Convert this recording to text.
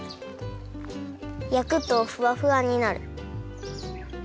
やくとふわふわになる。